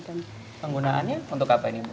penggunaannya untuk apa ini